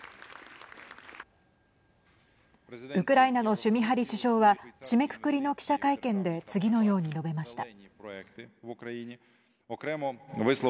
ウクライナのシュミハリ首相は締めくくりの記者会見で次のように述べました。